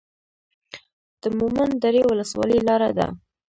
د مومند درې ولسوالۍ لاره ده